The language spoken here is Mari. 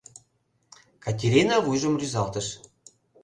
— Катерина вуйжым рӱзалтыш.